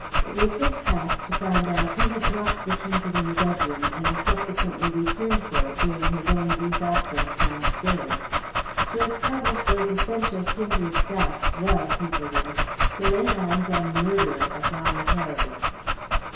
It was his task to find out who had dropped the trinket in the bedroom and subsequently returned for it during his own brief absence downstairs. To establish those essential kindred facts was, he believed, to lay hands on the murderer of Violet Heredith.